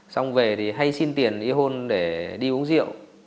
xong về thì hay xin tiền y hôn để đi uống rượu